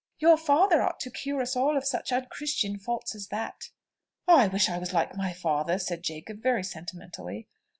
"Your father ought to cure us all of such unchristian faults as that." "I wish I was like my father!" said Jacob very sentimentally.